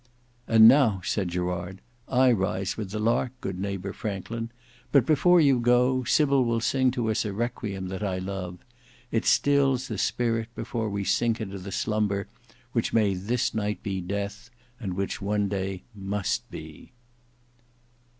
"And now," said Gerard, "I rise with the lark, good neighbour Franklin; but before you go, Sybil will sing to us a requiem that I love: it stills the spirit before we sink into the slumber which may this night be death, and which one day must be."